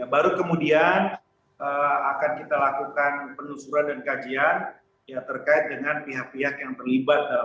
baru kemudian akan kita lakukan penelusuran dan kajian ya terkait dengan pihak pihak yang terlibat dalam